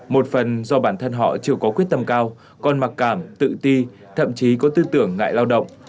một phần do bản thân họ chưa có quyết tâm cao còn mặc cảm tự ti thậm chí có tư tưởng ngại lao động